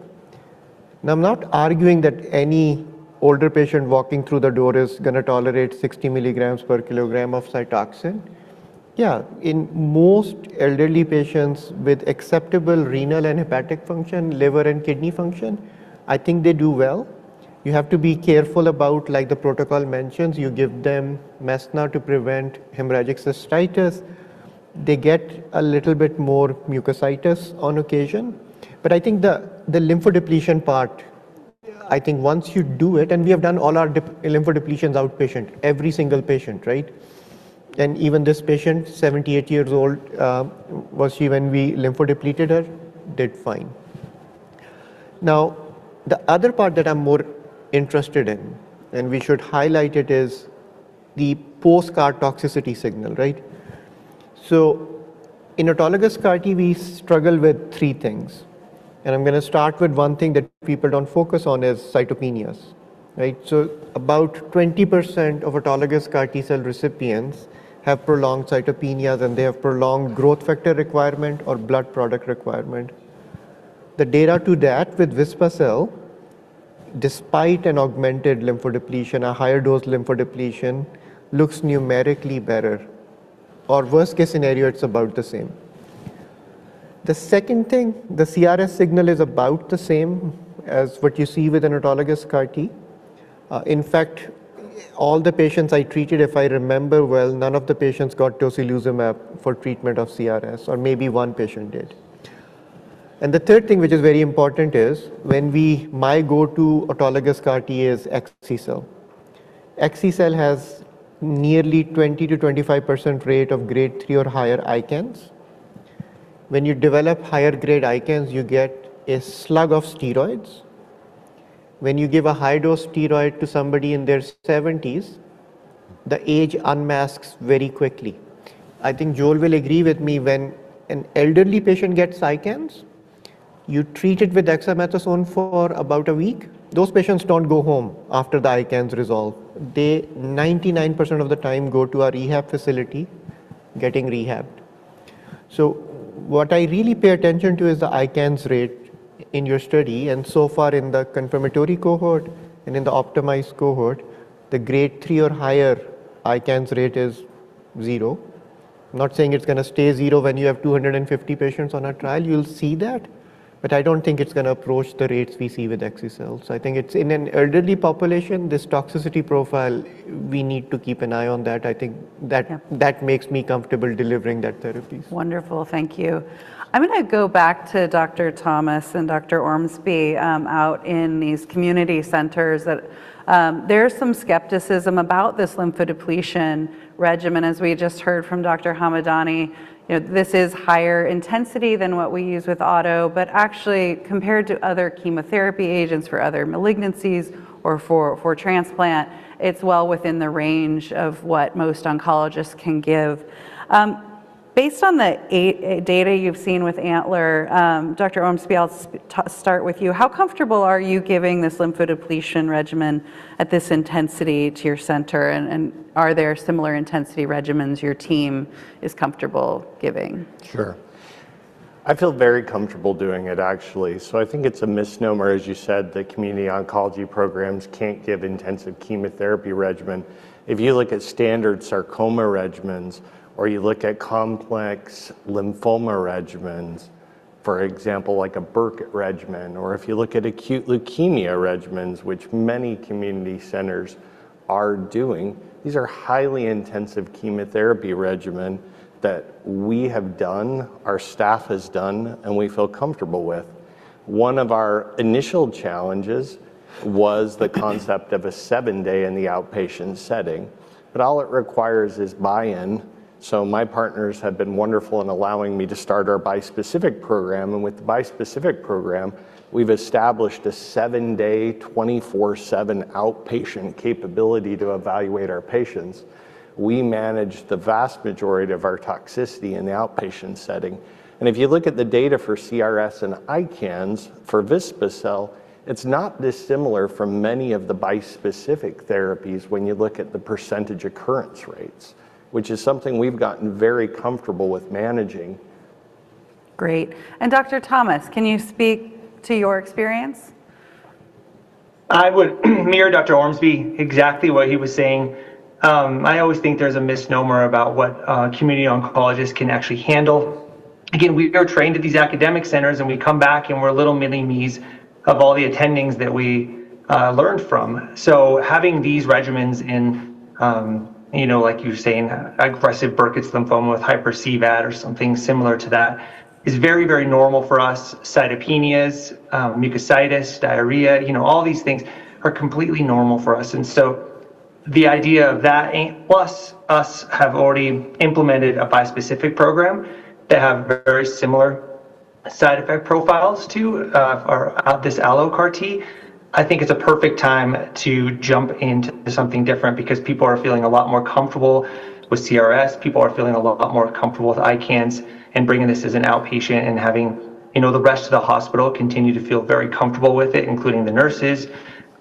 Now, I'm not arguing that any older patient walking through the door is going to tolerate 60 mg/kg of Cytoxan. Yeah, in most elderly patients with acceptable renal and hepatic function, liver and kidney function, I think they do well. You have to be careful about, like the protocol mentions, you give them mesna to prevent hemorrhagic cystitis. They get a little bit more mucositis on occasion. But I think the lymphodepletion part, I think once you do it, and we have done all our lymphodepletions outpatient, every single patient, right? And even this patient, 78 years old, was she when we lymphodepleted her, did fine. Now, the other part that I'm more interested in, and we should highlight it, is the post-CAR toxicity signal, right? So in autologous CAR T, we struggle with three things. And I'm going to start with one thing that people don't focus on is cytopenias, right? So about 20% of autologous CAR T-cell recipients have prolonged cytopenias, and they have prolonged growth factor requirement or blood product requirement. The data to that with Vispa-cel, despite an augmented lymphodepletion, a higher dose lymphodepletion, looks numerically better. Or worst case scenario, it's about the same. The second thing, the CRS signal is about the same as what you see with an autologous CAR T. In fact, all the patients I treated, if I remember well, none of the patients got tocilizumab for treatment of CRS, or maybe one patient did. The third thing, which is very important, is when my go-to autologous CAR T is Axi-cel. Axi-cel has nearly 20%-25% rate of grade 3 or higher ICANS. When you develop higher grade ICANS, you get a slug of steroids. When you give a high-dose steroid to somebody in their 70s, the age unmasks very quickly. I think Joe will agree with me when an elderly patient gets ICANS, you treat it with dexamethasone for about a week. Those patients don't go home after the ICANS resolve. They 99% of the time go to a rehab facility getting rehabbed. So what I really pay attention to is the ICANS rate in your study. And so far in the confirmatory cohort and in the optimized cohort, the grade 3 or higher ICANS rate is zero. I'm not saying it's going to stay zero when you have 250 patients on a trial. You'll see that. But I don't think it's going to approach the rates we see with Axi-cel. So I think it's in an elderly population, this toxicity profile, we need to keep an eye on that. I think that makes me comfortable delivering that therapy. Wonderful. Thank you. I'm going to go back to Dr. Thomas and Dr. Ormsby out in these community centers. There's some skepticism about this lymphodepletion regimen, as we just heard from Dr. Hamadani. This is higher intensity than what we use with auto, but actually compared to other chemotherapy agents for other malignancies or for transplant, it's well within the range of what most oncologists can give. Based on the data you've seen with ANTLER, Dr. Ormsby, I'll start with you. How comfortable are you giving this lymphodepletion regimen at this intensity to your center? And are there similar intensity regimens your team is comfortable giving? Sure. I feel very comfortable doing it, actually. So I think it's a misnomer, as you said, that community oncology programs can't give intensive chemotherapy regimen. If you look at standard sarcoma regimens, or you look at complex lymphoma regimens, for example, like a Burkitt regimen, or if you look at acute leukemia regimens, which many community centers are doing, these are highly intensive chemotherapy regimens that we have done, our staff has done, and we feel comfortable with. One of our initial challenges was the concept of a seven-day in the outpatient setting. But all it requires is buy-in. So my partners have been wonderful in allowing me to start our bispecific program. And with the bispecific program, we've established a seven-day, 24/7 outpatient capability to evaluate our patients. We manage the vast majority of our toxicity in the outpatient setting. If you look at the data for CRS and ICANS for Vispa-cel, it's not dissimilar from many of the bispecific therapies when you look at the percentage occurrence rates, which is something we've gotten very comfortable with managing. Great. And Dr. Thomas, can you speak to your experience? I would mirror Dr. Ormsby exactly what he was saying. I always think there's a misnomer about what community oncologists can actually handle. Again, we are trained at these academic centers, and we come back and we're little mini-me's of all the attendings that we learned from. So having these regimens in, like you were saying, aggressive Burkitt's lymphoma with hyper-CVAD or something similar to that is very, very normal for us. Cytopenias, mucositis, diarrhea, all these things are completely normal for us. And so the idea of that, plus us having already implemented a bispecific program that has very similar side effect profiles to this allo CAR T, I think it's a perfect time to jump into something different because people are feeling a lot more comfortable with CRS. People are feeling a lot more comfortable with ICANS and bringing this as an outpatient and having the rest of the hospital continue to feel very comfortable with it, including the nurses,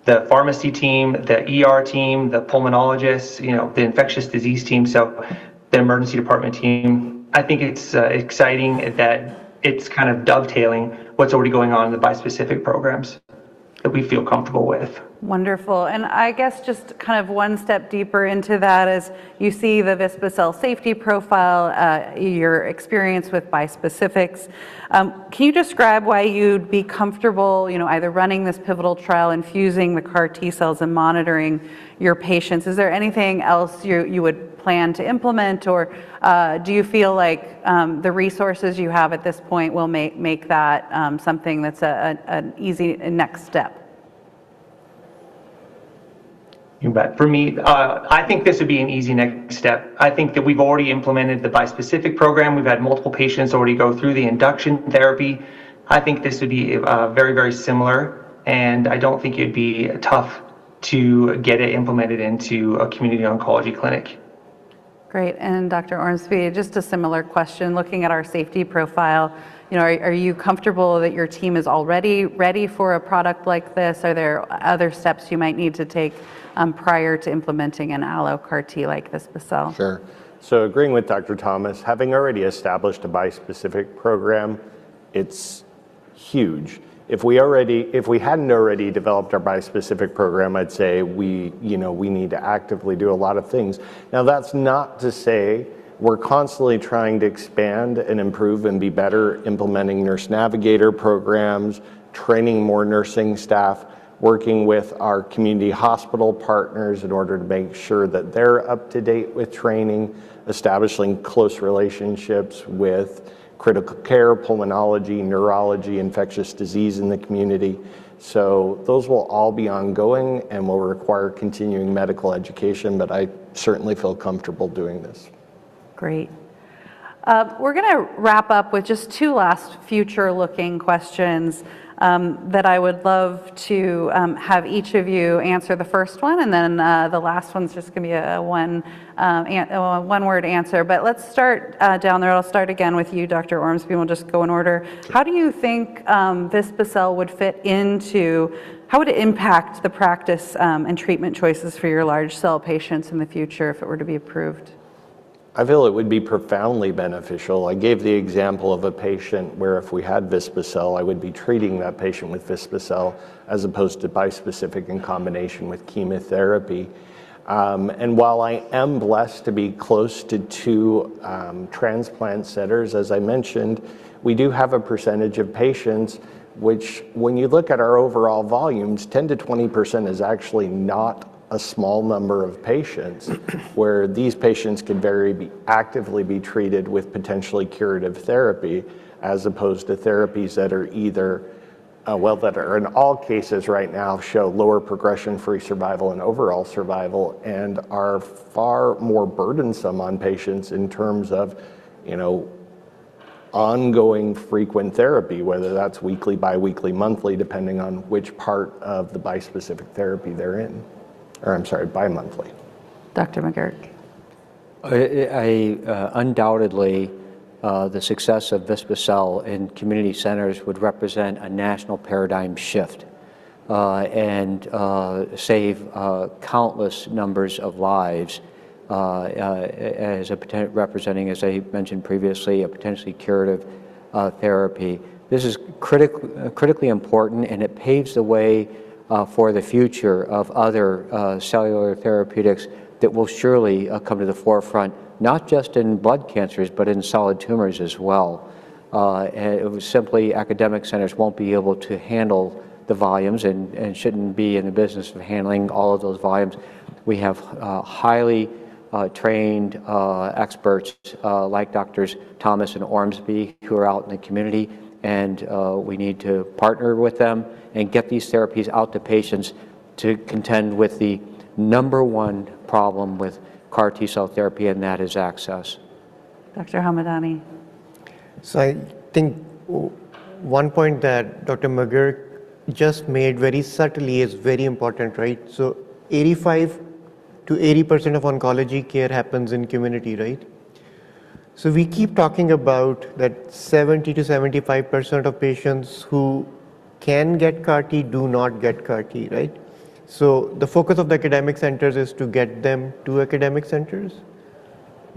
the pharmacy team, the team, the pulmonologists, the infectious disease team, so the emergency department team. I think it's exciting that it's kind of dovetailing what's already going on in the bispecific programs that we feel comfortable with. Wonderful. And I guess just kind of one step deeper into that is you see the Vispa-cel safety profile, your experience with bispecifics. Can you describe why you'd be comfortable either running this pivotal trial, infusing the CAR T-cells, and monitoring your patients? Is there anything else you would plan to implement, or do you feel like the resources you have at this point will make that something that's an easy next step? For me, I think this would be an easy next step. I think that we've already implemented the bispecific program. We've had multiple patients already go through the induction therapy. I think this would be very, very similar, and I don't think it'd be tough to get it implemented into a community oncology clinic. Great. And Dr. Ormsby, just a similar question. Looking at our safety profile, are you comfortable that your team is already ready for a product like this? Are there other steps you might need to take prior to implementing an allo CAR T like Vispa-cel? Sure. So agreeing with Dr. Thomas, having already established a bispecific program, it's huge. If we hadn't already developed our bispecific program, I'd say we need to actively do a lot of things. Now, that's not to say we're constantly trying to expand and improve and be better implementing nurse navigator programs, training more nursing staff, working with our community hospital partners in order to make sure that they're up to date with training, establishing close relationships with critical care, pulmonology, neurology, infectious disease in the community. So those will all be ongoing and will require continuing medical education, but I certainly feel comfortable doing this. Great. We're going to wrap up with just two last future-looking questions that I would love to have each of you answer, the first one, and then the last one's just going to be a one-word answer, but let's start down the road. I'll start again with you, Dr. Ormsby. We'll just go in order. How do you think Vispa-cel would fit into how would it impact the practice and treatment choices for your large-cell patients in the future if it were to be approved? I feel it would be profoundly beneficial. I gave the example of a patient where if we had Vispa-cel, I would be treating that patient with Vispa-cel as opposed to bispecific in combination with chemotherapy. And while I am blessed to be close to two transplant centers, as I mentioned, we do have a percentage of patients which, when you look at our overall volumes, 10%-20% is actually not a small number of patients where these patients could very actively be treated with potentially curative therapy as opposed to therapies that are either, well, that are in all cases right now show lower progression-free survival and overall survival and are far more burdensome on patients in terms of ongoing frequent therapy, whether that's weekly, biweekly, monthly, depending on which part of the bispecific therapy they're in. Or I'm sorry, bi-monthly. Dr. McGuirk. Undoubtedly, the success of Vispa-cel in community centers would represent a national paradigm shift and save countless numbers of lives as representing, as I mentioned previously, a potentially curative therapy. This is critically important, and it paves the way for the future of other cellular therapeutics that will surely come to the forefront, not just in blood cancers, but in solid tumors as well. Simply, academic centers won't be able to handle the volumes and shouldn't be in the business of handling all of those volumes. We have highly trained experts like Dr. Thomas and Ormsby who are out in the community, and we need to partner with them and get these therapies out to patients to contend with the number one problem with CAR T-cell therapy, and that is access. Dr. Hamadani? I think one point that Dr. McGuirk just made very subtly is very important, right? 85%-80% of oncology care happens in community, right? We keep talking about that 70%-75% of patients who can get CAR T do not get CAR T, right? The focus of the academic centers is to get them to academic centers.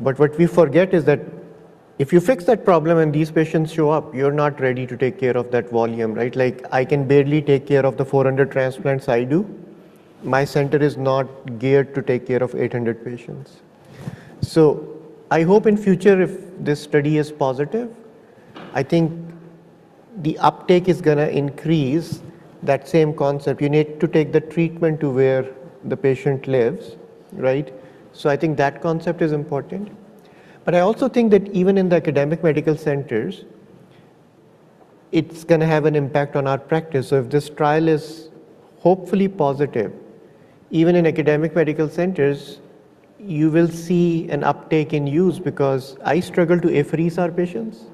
But what we forget is that if you fix that problem and these patients show up, you're not ready to take care of that volume, right? Like I can barely take care of the 400 transplants I do. My center is not geared to take care of 800 patients. I hope in future, if this study is positive, I think the uptake is going to increase that same concept. You need to take the treatment to where the patient lives, right? So I think that concept is important. But I also think that even in the academic medical centers, it's going to have an impact on our practice. So if this trial is hopefully positive, even in academic medical centers, you will see an uptake in use because I struggle to apherese our patients.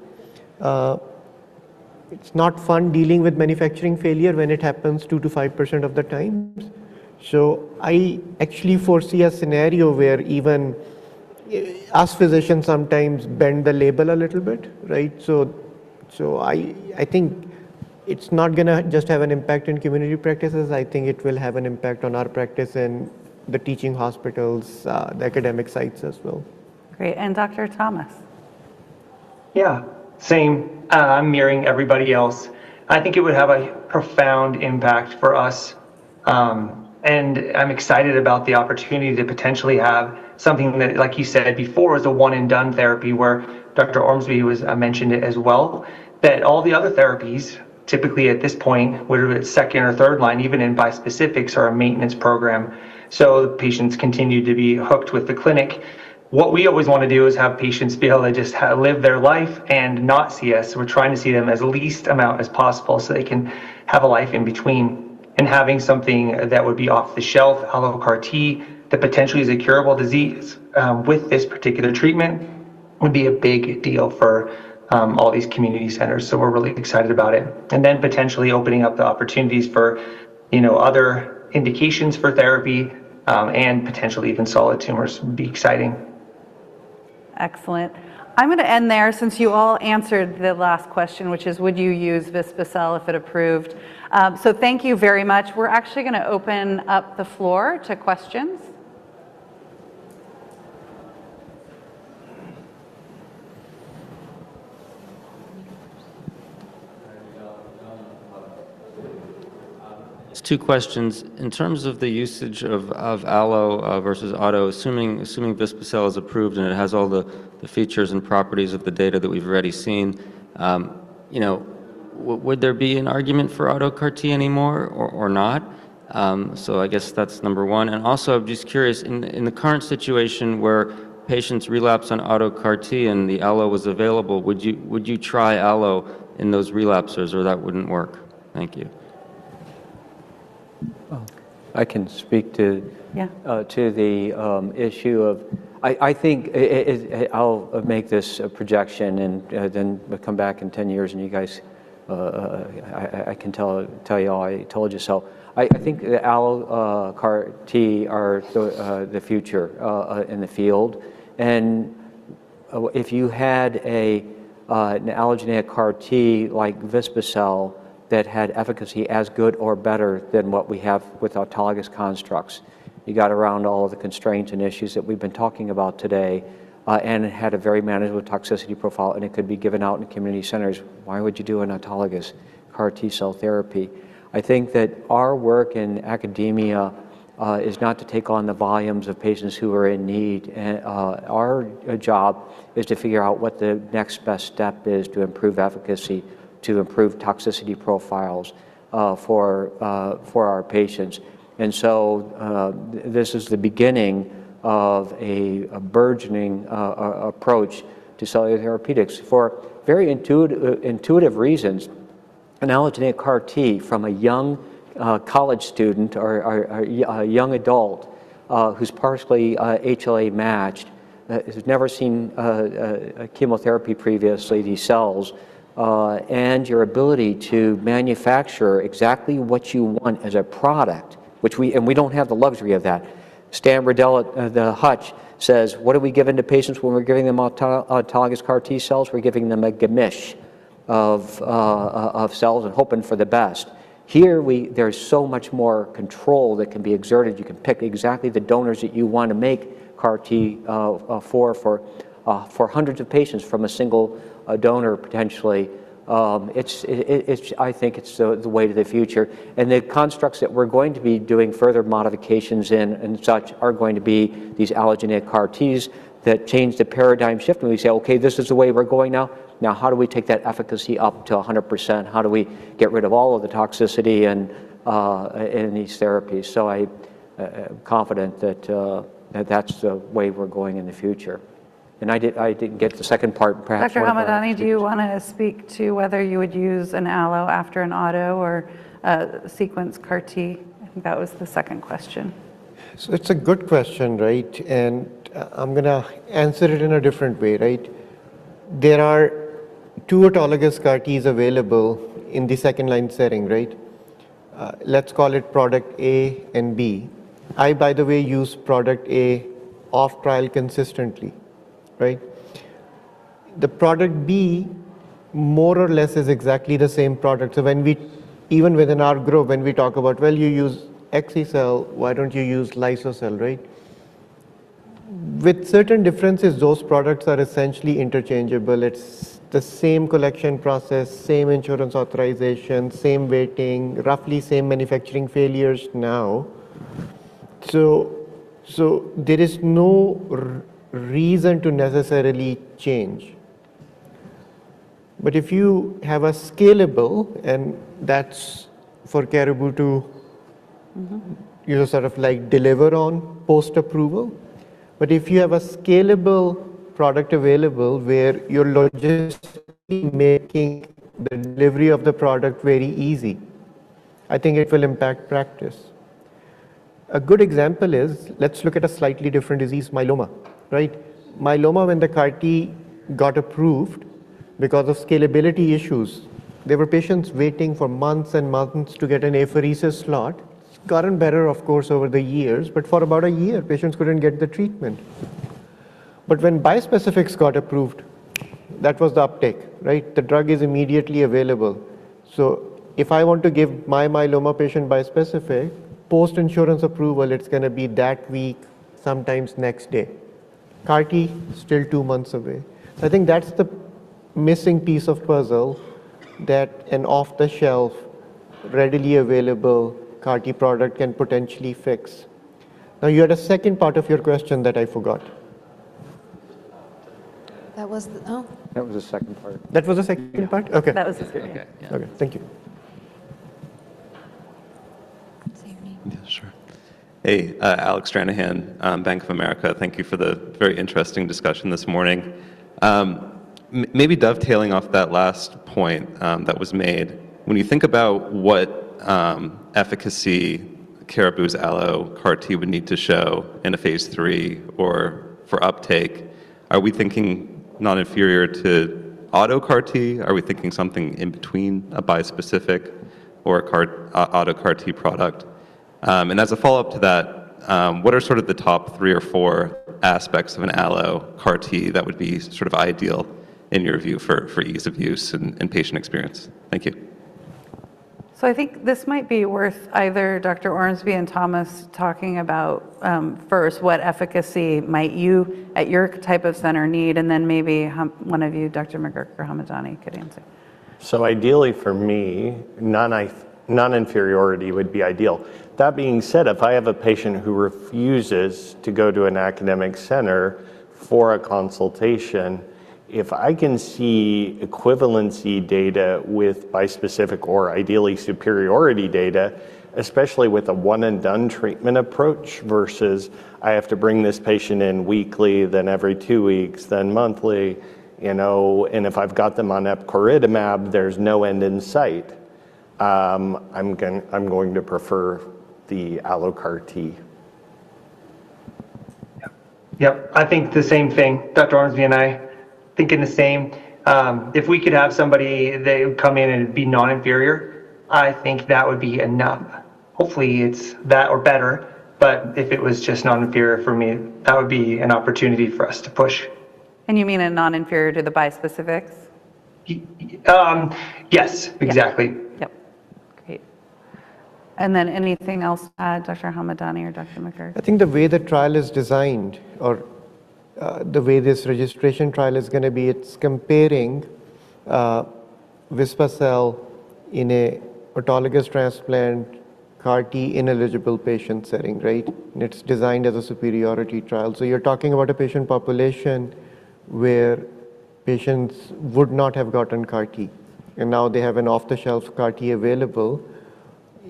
It's not fun dealing with manufacturing failure when it happens 2%-5% of the time. So I actually foresee a scenario where even us physicians sometimes bend the label a little bit, right? So I think it's not going to just have an impact in community practices. I think it will have an impact on our practice and the teaching hospitals, the academic sites as well. Great. And Dr. Thomas? Yeah. Same. I'm mirroring everybody else. I think it would have a profound impact for us. And I'm excited about the opportunity to potentially have something that, like you said before, is a one-and-done therapy where Dr. Ormsby mentioned it as well, that all the other therapies typically at this point would be second or third line, even in bispecifics or a maintenance program. So the patients continue to be hooked with the clinic. What we always want to do is have patients feel they just live their life and not see us. We're trying to see them as least amount as possible so they can have a life in between. And having something that would be off the shelf, allo CAR T, that potentially is a curable disease with this particular treatment would be a big deal for all these community centers. So we're really excited about it. And then potentially opening up the opportunities for other indications for therapy and potentially even solid tumors would be exciting. Excellent. I'm going to end there since you all answered the last question, which is, would you use Vispa-cel if it approved? So thank you very much. We're actually going to open up the floor to questions. Just two questions. In terms of the usage of allo versus auto, assuming Vispa-cel is approved and it has all the features and properties of the data that we've already seen, would there be an argument for allo CAR T anymore or not? So I guess that's number one. And also, I'm just curious, in the current situation where patients relapse on allo CAR T and the allo was available, would you try allo in those relapsers or that wouldn't work? Thank you. I can speak to the issue of. I think I'll make this a projection and then come back in 10 years and you guys, I can tell you all, I told you so. I think the allo CAR T are the future in the field. And if you had an allogeneic CAR T like Vispa-cel that had efficacy as good or better than what we have with autologous constructs, you got around all of the constraints and issues that we've been talking about today and had a very manageable toxicity profile and it could be given out in community centers, why would you do an autologous CAR T-cell therapy? I think that our work in academia is not to take on the volumes of patients who are in need. Our job is to figure out what the next best step is to improve efficacy, to improve toxicity profiles for our patients. This is the beginning of a burgeoning approach to cellular therapeutics for very intuitive reasons. An allogeneic CAR T from a young college student or a young adult who's partially HLA-matched, who's never seen chemotherapy previously, these cells, and your ability to manufacture exactly what you want as a product, which we don't have the luxury of that. Stan Riddell, the Hutch, says, what are we giving to patients when we're giving them autologous CAR T-cells? We're giving them a mishmash of cells and hoping for the best. Here, there's so much more control that can be exerted. You can pick exactly the donors that you want to make CAR T for, for hundreds of patients from a single donor potentially. I think it's the way to the future, and the constructs that we're going to be doing further modifications in and such are going to be these allogeneic CAR Ts that change the paradigm shift when we say, okay, this is the way we're going now. Now, how do we take that efficacy up to 100%? How do we get rid of all of the toxicity in these therapies, so I'm confident that that's the way we're going in the future, and I didn't get the second part, perhaps. Dr. Hamadani, do you want to speak to whether you would use an allo after an auto or sequence CAR T? I think that was the second question. So it's a good question, right? And I'm going to answer it in a different way, right? There are two autologous CAR Ts available in the second-line setting, right? Let's call it product A and B. I, by the way, use product A off-trial consistently, right? The product B more or less is exactly the same product. So even within our group, when we talk about, well, you use Axi-cel, why don't you use Liso-cel, right? With certain differences, those products are essentially interchangeable. It's the same collection process, same insurance authorization, same waiting, roughly same manufacturing failures now. So there is no reason to necessarily change. But if you have a scalable, and that's for Caribou to sort of deliver on post-approval, but if you have a scalable product available where you're logistically making the delivery of the product very easy, I think it will impact practice. A good example is, let's look at a slightly different disease, myeloma, right? Myeloma, when the CAR T got approved because of scalability issues, there were patients waiting for months and months to get an apheresis slot. It's gotten better, of course, over the years, but for about a year, patients couldn't get the treatment. But when bispecifics got approved, that was the uptake, right? The drug is immediately available. So if I want to give my myeloma patient bispecific, post-insurance approval, it's going to be that week, sometimes next day. CAR T, still two months away. So I think that's the missing piece of puzzle that an off-the-shelf, readily available CAR T product can potentially fix. Now, you had a second part of your question that I forgot. That was the. That was the second part. That was the second part? Okay. That was the second part. Okay. Thank you. Yeah, sure. Hey, Alec Stranahan, Bank of America. Thank you for the very interesting discussion this morning. Maybe dovetailing off that last point that was made, when you think about what efficacy Caribou's allo CAR T would need to show in a phase III or for uptake, are we thinking not inferior to auto CAR T? Are we thinking something in between a bispecific or an auto CAR T product? And as a follow-up to that, what are sort of the top three or four aspects of an allo CAR T that would be sort of ideal in your view for ease of use and patient experience? Thank you. So I think this might be worth either Dr. Ormsby and Thomas talking about first, what efficacy might you at your type of center need, and then maybe one of you, Dr. McGuirk or Hamadani, could answer. So ideally for me, non-inferiority would be ideal. That being said, if I have a patient who refuses to go to an academic center for a consultation, if I can see equivalency data with bispecific or ideally superiority data, especially with a one-and-done treatment approach versus I have to bring this patient in weekly, then every two weeks, then monthly, and if I've got them on epcoritamab, there's no end in sight, I'm going to prefer the allo CAR T. Yep. I think the same thing. Dr. Ormsby and I thinking the same. If we could have somebody that would come in and be non-inferior, I think that would be enough. Hopefully, it's that or better, but if it was just non-inferior for me, that would be an opportunity for us to push. You mean a non-inferior to the bispecifics? Yes, exactly. Yep. Great. And then anything else, Dr. Hamadani or Dr. McGuirk? I think the way the trial is designed or the way this registration trial is going to be, it's comparing Vispa-cel in an autologous transplant CAR T ineligible patient setting, right? And it's designed as a superiority trial. So you're talking about a patient population where patients would not have gotten CAR T, and now they have an off-the-shelf CAR T available.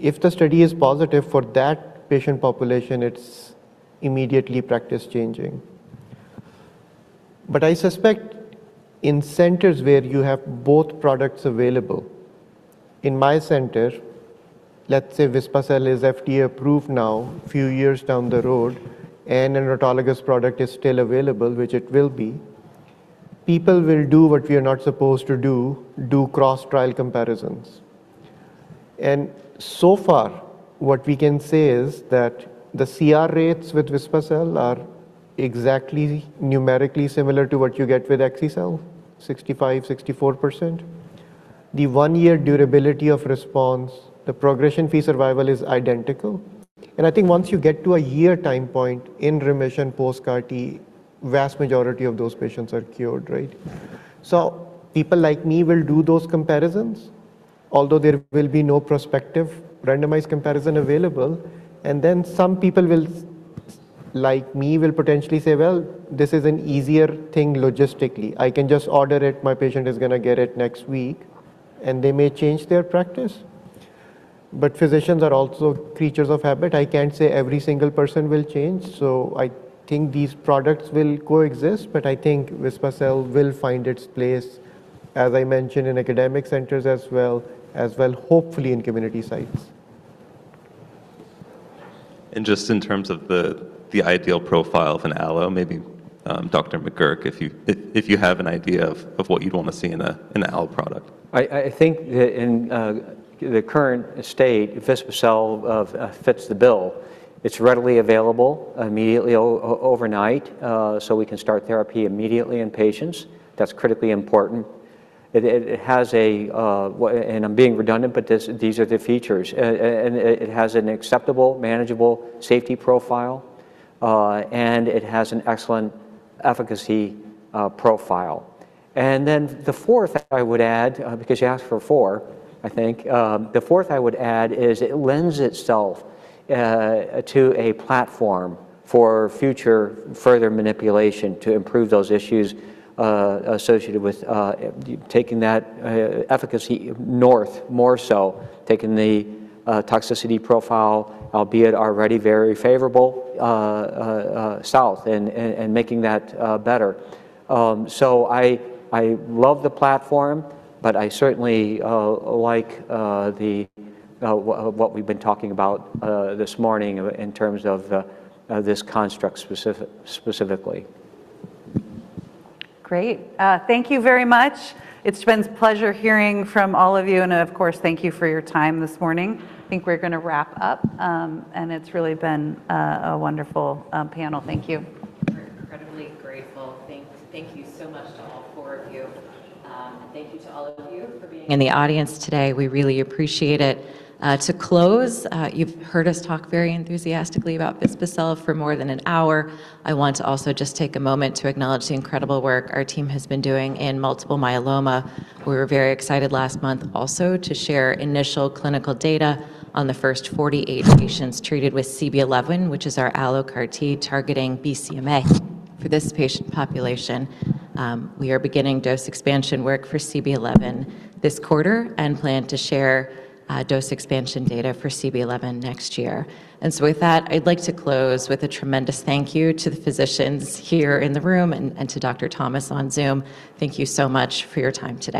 If the study is positive for that patient population, it's immediately practice-changing. But I suspect in centers where you have both products available, in my center, let's say Vispa-cel is FDA-approved now, a few years down the road, and an autologous product is still available, which it will be, people will do what we are not supposed to do, do cross-trial comparisons. So far, what we can say is that the CR rates with Vispa-cel are exactly numerically similar to what you get with Axi-cel, 65%, 64%. The one-year durability of response, the progression-free survival is identical. And I think once you get to a year time point in remission post-CAR T, the vast majority of those patients are cured, right? So people like me will do those comparisons, although there will be no prospective randomized comparison available. And then some people like me will potentially say, well, this is an easier thing logistically. I can just order it. My patient is going to get it next week, and they may change their practice. But physicians are also creatures of habit. I can't say every single person will change. I think these products will coexist, but I think Vispa-cel will find its place, as I mentioned, in academic centers as well, hopefully in community sites. Just in terms of the ideal profile of an allo, maybe Dr. McGuirk, if you have an idea of what you'd want to see in an allo product? I think in the current state, if Vispa-cel fits the bill, it's readily available immediately overnight so we can start therapy immediately in patients. That's critically important. It has a, and I'm being redundant, but these are the features. It has an acceptable, manageable safety profile, and it has an excellent efficacy profile. And then the fourth I would add, because you asked for four, I think the fourth I would add is it lends itself to a platform for future further manipulation to improve those issues associated with taking that efficacy north more so, taking the toxicity profile, albeit already very favorable, south and making that better. So I love the platform, but I certainly like what we've been talking about this morning in terms of this construct specifically. Great. Thank you very much. It's been a pleasure hearing from all of you, and of course, thank you for your time this morning. I think we're going to wrap up, and it's really been a wonderful panel. Thank you. We're incredibly grateful. Thank you so much to all four of you, and thank you to all of you for being in the audience today. We really appreciate it. To close, you've heard us talk very enthusiastically about Vispa-cel for more than an hour. I want to also just take a moment to acknowledge the incredible work our team has been doing in multiple myeloma. We were very excited last month also to share initial clinical data on the first 48 patients treated with CB-011, which is our allogeneic CAR T targeting BCMA. For this patient population, we are beginning dose expansion work for CB-011 this quarter and plan to share dose expansion data for CB-011 next year, and so with that, I'd like to close with a tremendous thank you to the physicians here in the room and to Dr. Thomas on Zoom. Thank you so much for your time today.